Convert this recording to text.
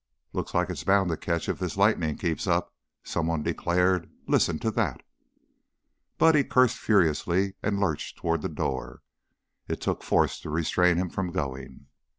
"Looks like it's bound to catch if this lightning keeps up," some one declared. "Listen to that!" Buddy cursed furiously and lurched toward the door. It took force to restrain him from going.